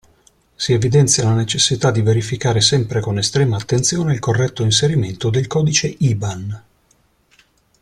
Si evidenzia la necessità di verificare sempre con estrema attenzione il corretto inserimento del codice IBAN.